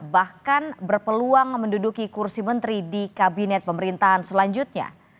bahkan berpeluang menduduki kursi menteri di kabinet pemerintahan selanjutnya